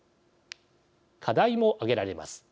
課題も挙げられます。